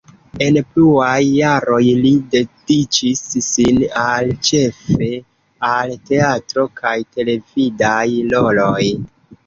En pluaj jaroj li dediĉis sin al ĉefe al teatro kaj televidaj roloj.